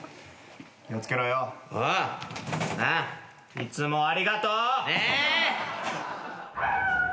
いつもありがとう！ね！